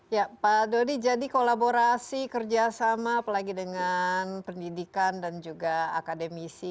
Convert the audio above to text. ya pak dodi jadi kolaborasi kerjasama apalagi dengan pendidikan dan juga akademisi